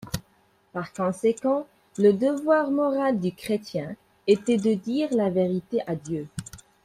Par conséquent le devoir moral du chrétien était de dire la vérité à Dieu.